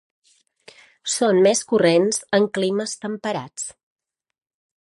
Són més corrents en climes temperats.